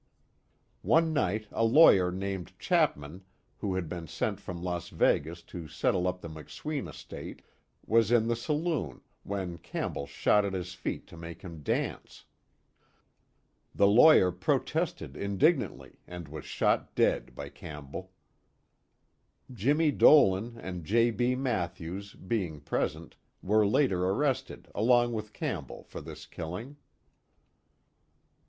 One night a lawyer named Chapman, who had been sent from Las Vegas to settle up the McSween estate, was in the saloon, when Campbell shot at his feet to make him dance. The lawyer protested indignantly and was shot dead by Campbell. Jimmie Dolan and J. B. Mathews, being present, were later arrested, along with Campbell, for this killing.